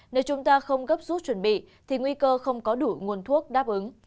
nếu chúng ta không gấp rút chuẩn bị thì nguy cơ không có đủ nguồn thuốc đáp ứng